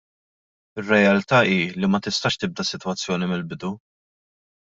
Ir-realtà hi li ma tistax tibda sitwazzjoni mill-bidu.